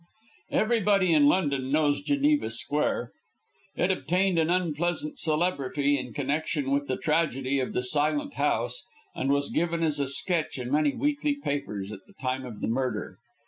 Everybody in London knows Geneva Square. It obtained an unpleasant celebrity in connection with the tragedy of the Silent House, and was given as a sketch in many weekly papers at the time of the murder.